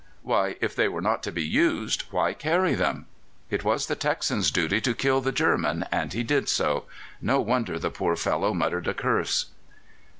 Why? if they were not to be used, why carry them? It was the Texan's duty to kill the German, and he did so. No wonder the poor fellow muttered a curse.